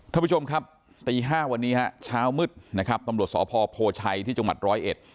ท่านผู้ชมครับตี๕วันนี้ช้าวมืดตำรวจสพโพชัยที่จร้อยเอ็ด